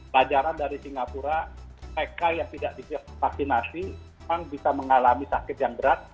pelajaran dari singapura mereka yang tidak divaksinasi memang bisa mengalami sakit yang berat